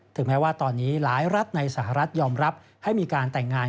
แม้ว่าตอนนี้หลายรัฐในสหรัฐยอมรับให้มีการแต่งงาน